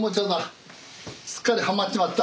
すっかりはまっちまった。